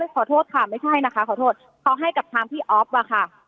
ขอโทษค่ะไม่ใช่นะคะขอโทษเขาให้กับทางพี่อ๊อฟอะค่ะ